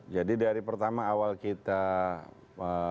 jadi dari pertama awal kita daftar